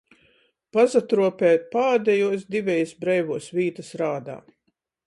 Pasatruopeja pādejuos divejis breivuos vītys rādā.